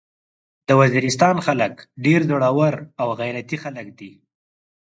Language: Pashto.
د وزيرستان خلک ډير زړور او غيرتي خلک دي.